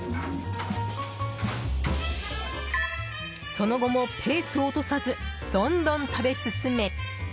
その後もペースを落とさずどんどん食べ進め。